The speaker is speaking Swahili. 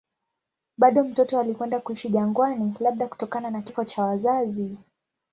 Bado mtoto alikwenda kuishi jangwani, labda kutokana na kifo cha wazazi.